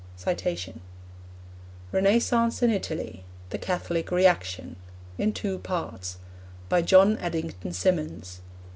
Renaissance in Italy: The Catholic Reaction. In Two Parts. By John Addington Symonds.